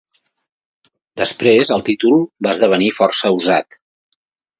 Després el títol va esdevenir força usat.